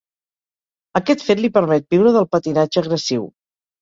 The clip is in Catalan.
Aquest fet li permet viure del patinatge agressiu.